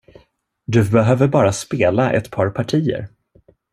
Du behöver bara spela ett par partier.